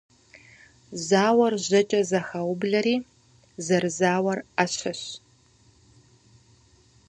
Зауэр жьэкӀэ зэхаублэри зэрызауэр Ӏэщэщ.